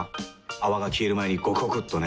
泡が消える前にゴクゴクっとね。